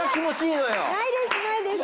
ないですないです。